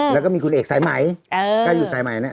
แล้วก็มีคุณเอกสายไหมก็อยู่สายใหม่เนี่ย